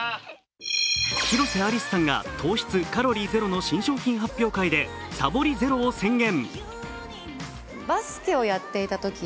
広瀬アリスさんが糖質・カロリーゼロの新商品発表会でさぼりゼロを宣言。